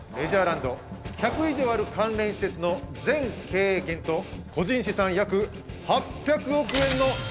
ランド１００以上ある関連施設の全経営権と個人資産約８００億円の相続。